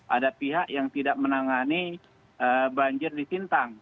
ada pihak yang tidak menangani banjir di sintang